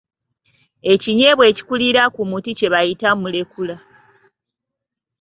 Ekinyeebwa ekikulira ku muti kye bayita Mulekula.